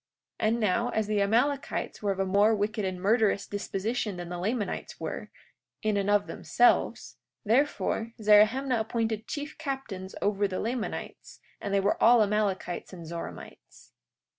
43:6 And now, as the Amalekites were of a more wicked and murderous disposition than the Lamanites were, in and of themselves, therefore, Zerahemnah appointed chief captains over the Lamanites, and they were all Amalekites and Zoramites.